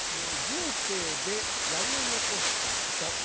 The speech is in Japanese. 人生でやり残したこと。